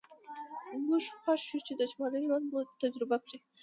موږ خوښ یو چې د شمال ژوند مو تجربه کړ